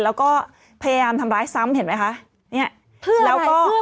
แล้วก็พยายามทำร้ายซ้ำเห็นไหมคะเนี่ยแล้วก็